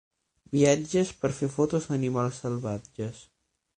Viatges per fer fotos d'animals salvatges.